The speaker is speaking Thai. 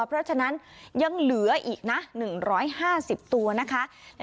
เพราะฉะนั้นยังเหลืออีกนะ๑๕๐ตัวนะคะ